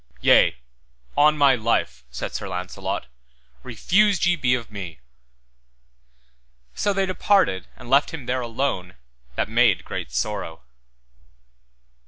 Yea, on my life, said Sir Launcelot, refused ye be of me. So they departed and left him there alone that made great sorrow.